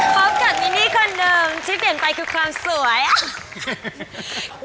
พบกับนินี่คนเดิมที่เปลี่ยนไปคือความสวย